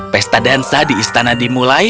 pesta dansa di istana dimulai